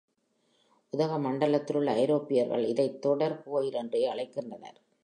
உதகமண்டலத்திலுள்ள ஐரோப்பியர்கள் இதைத் தோடர் கோயில் என்றே அழைக்கின்றனர்.